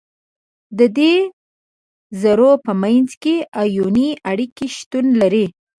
د دې ذرو په منځ کې آیوني اړیکه شتون لري.